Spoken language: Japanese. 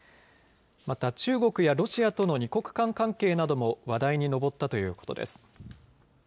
また、中国やロシアとの２国間関係なども話題に上ったということです。